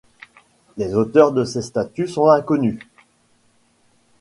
Les auteurs de ces statues sont inconnus.